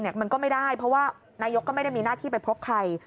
มันก็ไม่ได้เพราะว่านายกก็ไม่ได้มีหน้าที่ไปพบใคร